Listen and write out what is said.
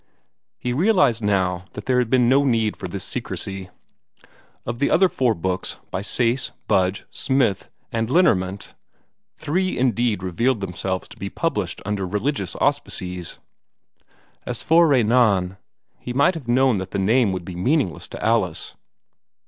He realized now that there had been no need for this secrecy. Of the other four books, by Sayce, Budge, Smith, and Lenormant, three indeed revealed themselves to be published under religious auspices. As for Renan, he might have known that the name would be meaningless to Alice.